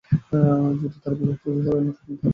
তাঁরা যদি ভূগর্ভস্থ শহরে না থাকতেন তাহলে সম্ভব হত।